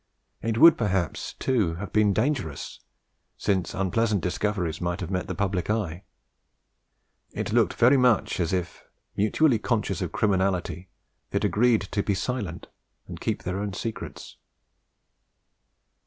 It would perhaps, too, have been dangerous, since unpleasant discoveries might have met the public eye. It looked very much as if, mutually conscious of criminality, they had agreed to be silent, and keep their own secrets."